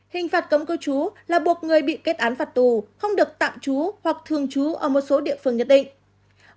hình phạt cấm cư trú là buộc người bị kết án phạt tù không được tạm trú hoặc thường trú ở một số địa phương nhất định